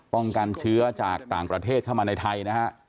กันเชื้อจากต่างประเทศเข้ามาในไทยนะฮะ